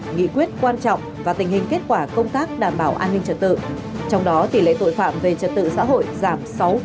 nghị quyết quan trọng và tình hình kết quả công tác đảm bảo an ninh trật tự trong đó tỉ lệ tội phạm về trật tự xã hội giảm sáu sáu mươi chín